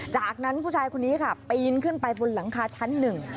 จากนั้นผู้ชายคนนี้ค่ะปีนขึ้นไปบนหลังคาชั้นหนึ่ง